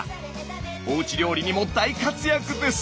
おうち料理にも大活躍です！